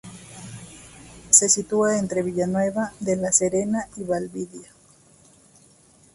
Se sitúa entre Villanueva de la Serena y Valdivia.